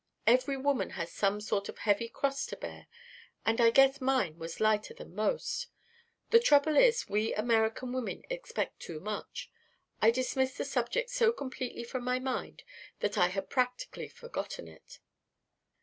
Every woman has some sort of a heavy cross to bear, and I guess mine was lighter than most. The trouble is, we American women expect too much. I dismissed the subject so completely from my mind that I had practically forgotten it."